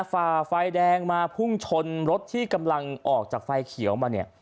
ฝ่าไฟแดงมาพุ่งชนรถที่กำลังออกจากไฟเขียวมาเนี่ย